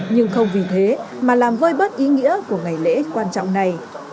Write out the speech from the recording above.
nhưng không vì thế mà làm vơi bớt ý nghĩa của ngày lễ quan trọng này